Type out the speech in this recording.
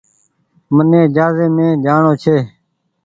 مني جهآزي مي جآڻو ڇي۔